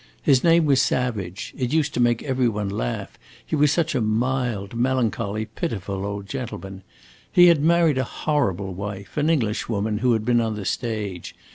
His name was Savage; it used to make every one laugh, he was such a mild, melancholy, pitiful old gentleman. He had married a horrible wife, an Englishwoman who had been on the stage.